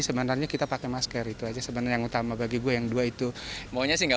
sebenarnya kita pakai masker itu aja sebenarnya utama bagi gue yang dua itu maunya sih nggak